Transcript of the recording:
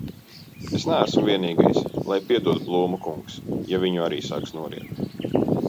Es neesmu vienīgais, lai piedod Blūma kungs, ja viņu arī sāks noriet.